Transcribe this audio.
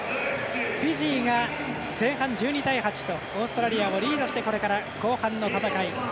フィジーが前半１２対８とオーストラリアをリードしてこれから後半の戦い。